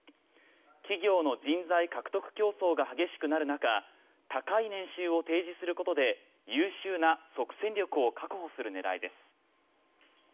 企業の人材獲得競争が激しくなる中高い年収を提示することで優秀な即戦力を確保する狙いです。